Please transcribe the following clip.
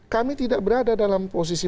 kami tidak berada dalam posisi